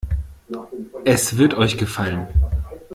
Es wird euch gefallen.